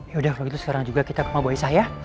yaudah kalau gitu sekarang juga kita ke rumah bu aisyah ya